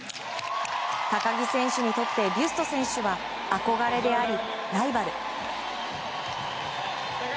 高木選手にとってビュスト選手は憧れでありライバル。